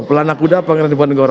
pelana kuda pangeran diponegoro